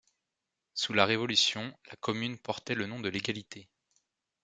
Sous la Révolution, la commune portait le nom de L'Egalité.